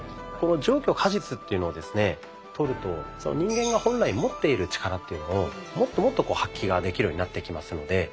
この上虚下実というのをですねとると人間が本来持っている力というのをもっともっと発揮ができるようになってきますので。